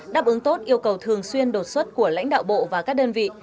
đáp ứng tốt yêu cầu thường xuyên đột xuất của lãnh đạo bộ và các đơn vị